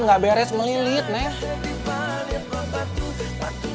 nggak beres melilit neng